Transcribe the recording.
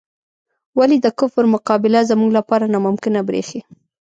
ولې د کفر مقابله زموږ لپاره ناممکنه بریښي؟